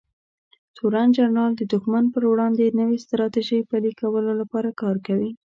تورن جنرال د دښمن پر وړاندې د نوې ستراتیژۍ پلي کولو لپاره کار کوي.